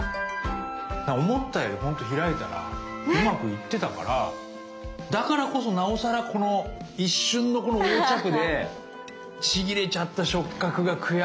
思ったよりほんと開いたらうまくいってたからだからこそなおさらこの一瞬のこの横着でちぎれちゃった触角が悔やまれますね。